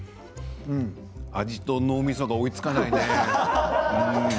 味と脳みそが追いつかないね。